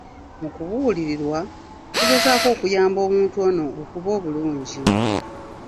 Mu kubuulirirwa, tugezaako okuyamba omuntu ono okuba obulungi.